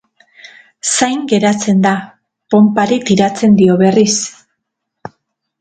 Zain geratzen da, ponpari tiratzen dio berriz.